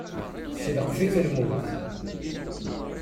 Teccelqef-it lmut.